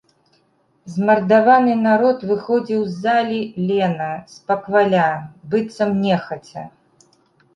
Змардаваны народ выходзіў з залі лена, спакваля, быццам нехаця.